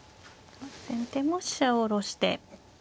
先手も飛車を下ろして。